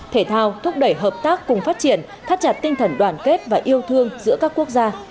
thể thao thúc đẩy hợp tác cùng phát triển thắt chặt tinh thần đoàn kết và yêu thương giữa các quốc gia